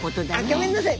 ギョめんなさい。